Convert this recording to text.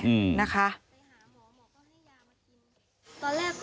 ว่าเอ๊ะน้องสาวติดเชื้อตอนไหนกันแน่อืมนะคะ